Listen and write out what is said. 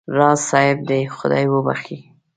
راز صاحب دې خدای وبخښي.